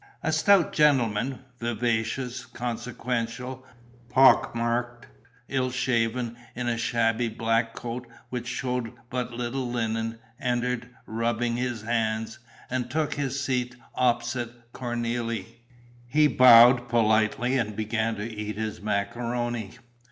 A stout gentleman, vivacious, consequential, pock marked, ill shaven, in a shabby black coat which showed but little linen, entered, rubbing his hands, and took his seat, opposite Cornélie. He bowed politely and began to eat his macaroni.